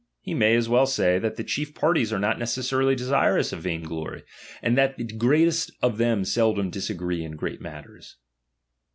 He may as well say, that the chief parties are not necessarily desirous of vain glory, and that the greatest of them seldom disagree in great mat ters.